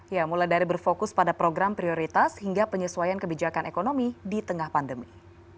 ya mulai dari berfokus pada program prioritas hingga penyesuaian kebijakan ekonomi di tengah pandemi